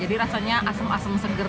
jadi rasanya asam asam segar